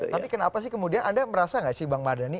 tapi kenapa sih kemudian anda merasa nggak sih bang mardhani